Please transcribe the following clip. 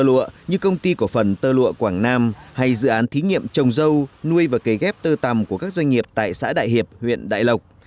tơ lụa như công ty của phần tơ lụa quảng nam hay dự án thí nghiệm trồng dâu nuôi và kế ghép tơ tầm của các doanh nghiệp tại xã đại hiệp huyện đại lộc